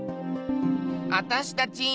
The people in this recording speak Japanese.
あたしたちぃ